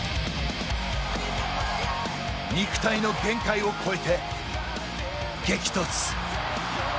肉体の限界を超えて、激突。